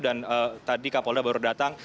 dan tadi kapolda baru datang